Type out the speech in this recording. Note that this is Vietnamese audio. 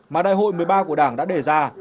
mà đại hội một mươi ba của đảng đã đề ra